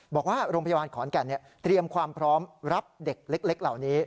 บอกว่าโรงพยาบาลขอนแก่นเตรียมความพร้อมรับเด็กเล็กเหล่านี้